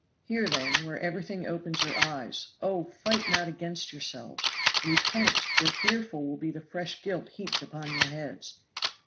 Here, then, where everything opens your eyes, oh! fight not against yourselves. Repent, or fearful will be the fresh guilt heaped upon your heads!